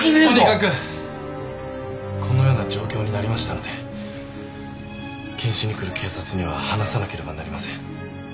とにかくこのような状況になりましたので検視に来る警察には話さなければなりません。